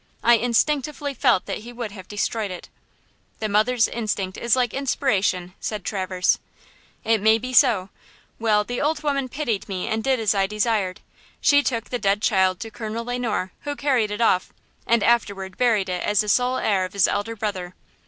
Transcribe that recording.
I instinctively felt that he would have destroyed it." "The mother's instinct is like inspiration," said Traverse. "It may be so. Well, the old woman pitied me and did as I desired. She took the dead child to Colonel Le Noir, who carried it off, and afterward buried it as the sole heir of his elder brother.